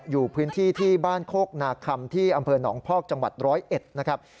อยู่พื้นที่ที่บ้านโคกนาคำที่อำเภอหนองพอกจังหวัดร้อยเอ็ดนะครับ